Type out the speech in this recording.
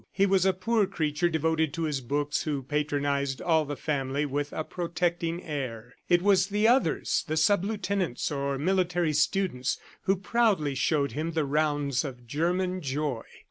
He was a poor creature devoted to his books who patronized all the family with a protecting air. It was the others, the sub lieutenants or military students, who proudly showed him the rounds of German joy.